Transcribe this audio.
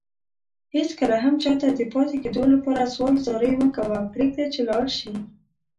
هيڅ کله هم چاته دپاتي کيدو لپاره سوال زاری مکوه پريږده چي لاړشي